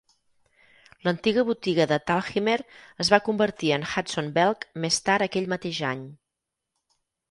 L'antiga botiga de Thalhimer es va convertir en Hudson Belk més tard aquell mateix any.